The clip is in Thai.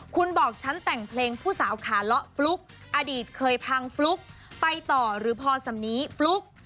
คุณบอกฉันแต่งเพลงผู้สาวขาเลาะฟลุ๊กอดีตเคยพังฟลุ๊กไปต่อหรือพอสำนีฟลุ๊ก